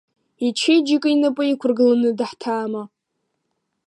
Ичеиџьыка инапы иқәыргыланы даҳҭаама?